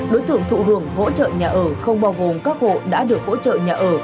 đối tượng thụ hưởng hỗ trợ nhà ở không bao gồm các hộ đã được hỗ trợ nhà ở